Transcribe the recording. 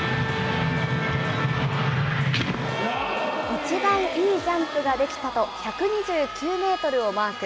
一番いいジャンプができたと、１２９メートルをマーク。